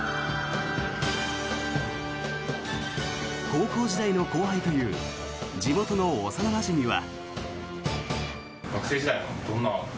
高校時代の後輩という地元の幼なじみは。